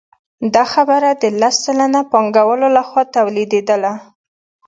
دا برخه د لس سلنه پانګوالو لخوا تولیدېدله